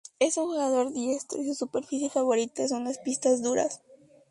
Es un jugador diestro y su superficie favorita son las pistas duras.